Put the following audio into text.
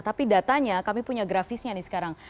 tapi datanya kami punya grafisnya nih sekarang